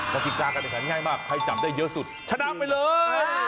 กติกาการแข่งขันง่ายมากใครจับได้เยอะสุดชนะไปเลย